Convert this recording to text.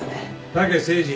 武誠治。